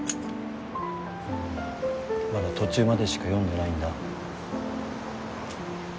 うんまだ途中までしか読んでないんだ。